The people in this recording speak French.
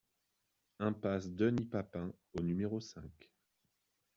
Impasse Denis Papin au numéro cinq